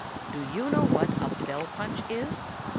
'Do you know what a bell punch is?